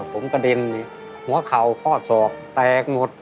ผมกระเด็นหัวเข่าข้อศอกแตกหมด